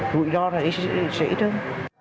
rủi ro sẽ ít hơn